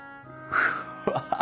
うわ！